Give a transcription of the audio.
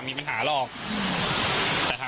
ผมมีโพสต์นึงครับว่า